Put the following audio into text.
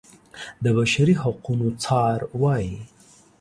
د بشري حقونو څار وايي.